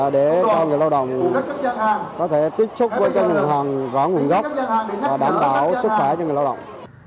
để cho người lao động có thể tiếp xúc với các nền hàng gõ nguồn gốc và đảm bảo sức khỏe cho người lao động